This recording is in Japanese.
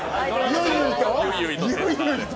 ゆいゆいと？